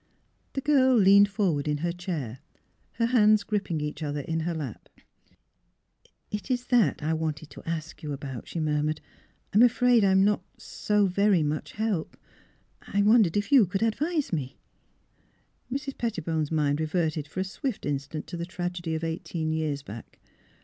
'' The girl leaned forward in her chair, her hands gripping each other in her lap. " It — it is that I wanted to ask you about," she murmured, "I'm afraid I'm not — so very much help. I — wondered if you could advise me? " Mrs. Pettibone 's mind reverted for a swift in stant to the tragedy of eighteen years back.